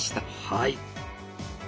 はい。